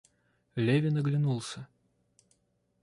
Левин оглянулся.